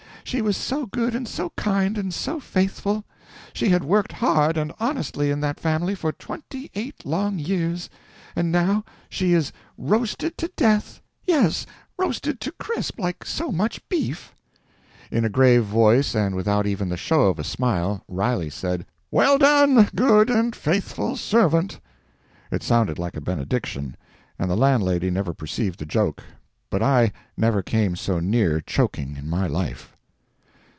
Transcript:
She was so good, and so kind and so faithful. She had worked hard and honestly in that family for twenty eight long years, and now she is roasted to death—yes, roasted to crisp, like so much beef." In a grave voice and without even the shadow of a smile, Riley said: "Well done, good and faithful servant!" It sounded like a benediction, and the landlady never perceived the joke, but I never came so near choking in my life.